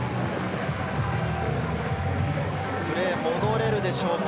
プレーに戻れるでしょうか？